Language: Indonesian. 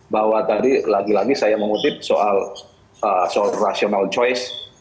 bahwa tadi lagi lagi saya mengutip soal rasional choice